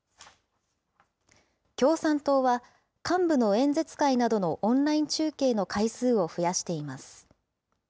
共産党は、幹部の演説会などのオンライン中継の回数を増やしています。